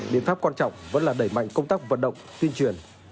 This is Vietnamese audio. biện pháp quan trọng vẫn là đẩy mạnh công tác vận động tuyên truyền